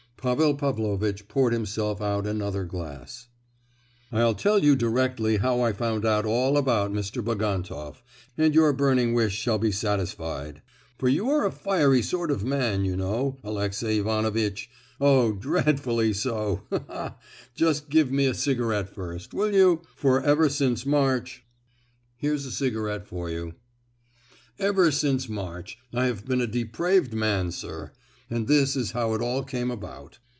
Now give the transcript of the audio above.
Pavel Pavlovitch poured himself out another glass. "I'll tell you directly how I found out all about Mr. Bagantoff, and your burning wish shall be satisfied. For you are a fiery sort of man, you know, Alexey Ivanovitch, oh, dreadfully so! Ha ha ha. Just give me a cigarette first, will you, for ever since March——" "Here's a cigarette for you." "Ever since March I have been a depraved man, sir, and this is how it all came about.